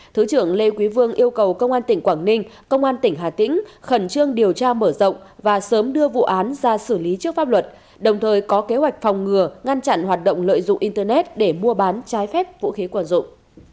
thứ trưởng lê quý vương yêu cầu công an tỉnh quảng ninh công an tỉnh hà tĩnh khẩn trương điều tra mở rộng và sớm đưa vụ án ra xử lý trước pháp luật đồng thời có kế hoạch phòng ngừa ngăn chặn hoạt động lợi dụng internet để mua bán trái phép vũ khí quần dụng